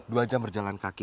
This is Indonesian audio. dua jam berjalan kaki